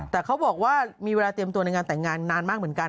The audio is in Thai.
แต่เขาบอกว่ามีเวลาเตรียมตัวในงานแต่งงานนานมากเหมือนกัน